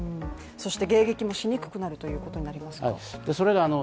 そして、迎撃もしにくくなるということになりますか？